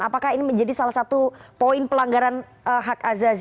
apakah ini menjadi salah satu poin pelanggaran hak azazi